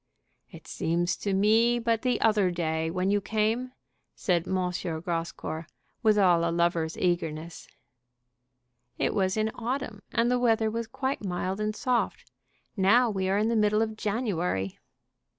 "It seems to me but the other day when you came." said M. Grascour, with all a lover's eagerness. "It was in autumn, and the weather was quite mild and soft. Now we are in the middle of January."